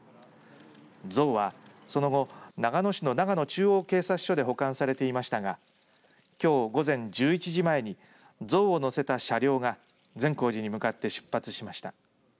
像はその後長野市の長野中央警察署で保管されていましたがきょう午前１１時前に像を載せた車両が善光寺に向かって出発しました。